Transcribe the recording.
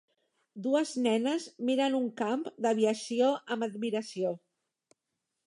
Dues nenes miren un camp d'aviació amb admiració.